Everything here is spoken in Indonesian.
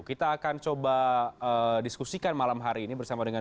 kita akan coba diskusikan malam hari ini bersama dengan